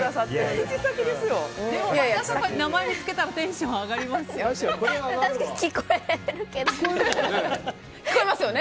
名前、見つけたらテンション上がりますよね。